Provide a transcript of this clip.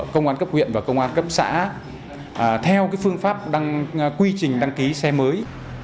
công an cấp huyện và công an cấp xã theo phương pháp quy trình đăng ký xe mới